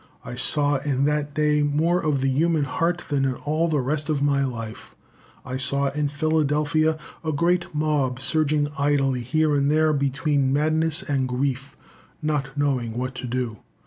I saw in that day more of the human heart than in all the rest of my life. I saw in Philadelphia a great mob surging idly here and there between madness and grief, not knowing what to do.